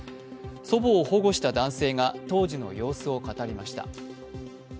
祖母を保護した男性が当時の様子を語りました。